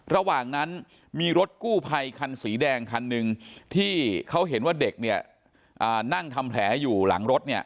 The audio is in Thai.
ระหว่างนั้นมีรถกู้ภัยคันสีแดงคันหนึ่งที่เขาเห็นว่าเด็กเนี่ยนั่งทำแผลอยู่หลังรถเนี่ย